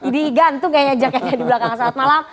di gantung kayaknya di belakang saat malam